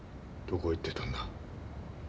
どこへ行ってたんだ。